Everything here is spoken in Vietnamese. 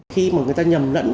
khi mà người ta nhầm lẫn